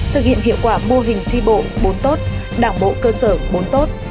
thực hiện hiệu quả mô hình tri bộ bốn tốt đảng bộ cơ sở bốn tốt